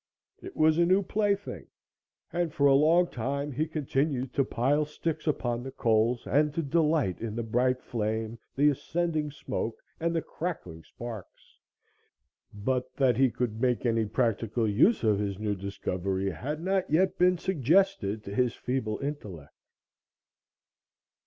It was a new plaything, and for a long time he continued to pile sticks upon the coals and to delight in the bright flame, the ascending smoke and the crackling sparks; but that he could make any practical use of his new discovery had not yet been suggested to his feeble intellect.